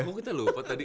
kok kita lupa tadi